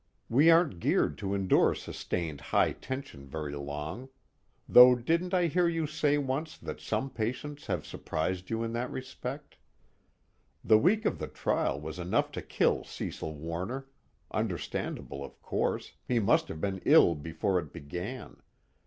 We aren't geared to endure sustained high tension very long though didn't I hear you say once that some patients have surprised you in that respect? The week of the trial was enough to kill Cecil Warner understandable of course, he must have been ill before it began.